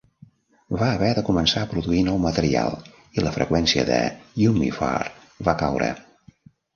Va haver de començar a produir nou material i la freqüència de "Yummy Fur" va caure.